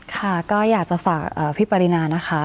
ค่ะก็อยากจะฝากพี่ปรินานะคะ